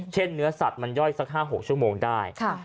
เนื้อสัตว์มันย่อยสัก๕๖ชั่วโมงได้